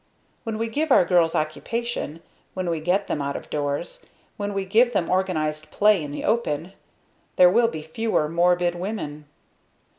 When we give our girls occupation, when we get them out of doors, when we give them organized play in the open, there will be fewer morbid women.